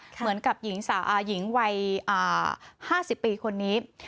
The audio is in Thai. เหมือนกับหญิงวัย๕๐ปีคนนี้